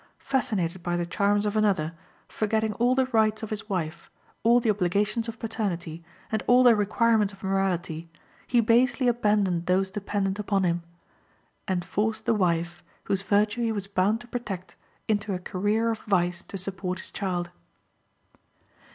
Fascinated by the charms of another, forgetting all the rights of his wife, all the obligations of paternity, and all the requirements of morality, he basely abandoned those dependent on him, and forced the wife, whose virtue he was bound to protect, into a career of vice to support his child.